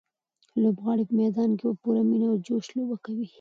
لوبغاړي په میدان کې په پوره مینه او جوش لوبه کوي.